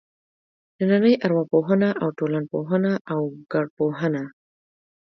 نننۍ ارواپوهنه او ټولنپوهنه او وګړپوهنه.